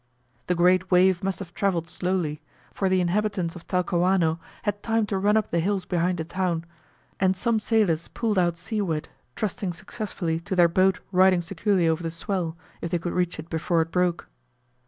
The great wave must have travelled slowly, for the inhabitants of Talcahuano had time to run up the hills behind the town; and some sailors pulled out seaward, trusting successfully to their boat riding securely over the swell, if they could reach it before it broke.